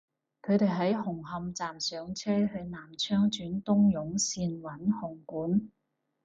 佢哋喺紅磡站上車去南昌轉東涌綫搵紅館